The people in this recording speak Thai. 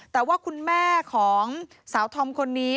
แต่ว่าคุณแม่ของสาวธอมคนนี้